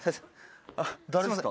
誰ですか？